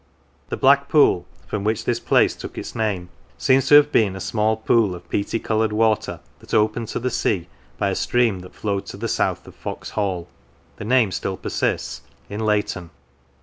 The Black Pool, from which this place took its name, seems to have been a small pool of peaty coloured water that opened to the sea by a stream that flowed to the south of Fox Hall (the name still persists) in Lay ton.